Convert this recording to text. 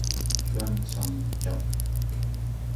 Hsüan-tsang; jap.